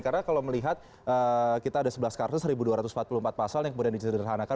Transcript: karena kalau melihat kita ada sebelas kartu seribu dua ratus empat puluh empat pasal yang kemudian disederhanakan